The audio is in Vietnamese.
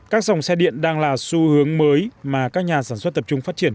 các dòng xe điện đang là xu hướng mới mà các nhà sản xuất tập trung phát triển